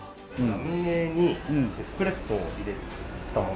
ラムネにエスプレッソを入れたものです。